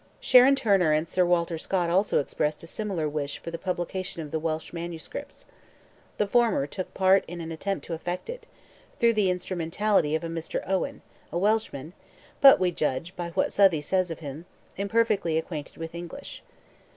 Sharon Turner and Sir Walter Scott also expressed a similar wish for the publication of the Welsh manuscripts. The former took part in an attempt to effect it, through the instrumentality of a Mr. Owen, a Welshman, but, we judge, by what Southey says of him, imperfectly acquainted with English.